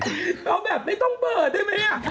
แต่เอาใบบไม่ต้องเปิดด้วยไหม